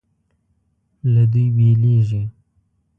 له دوی بېلېږي.